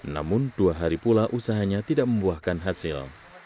namun dua hari pula usahanya tidak membuahkan hasil